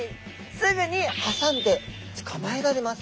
すぐに挟んで捕まえられます。